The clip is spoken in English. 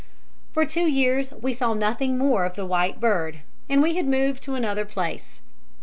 "For two years we saw nothing more of the white bird, and we had moved to another place.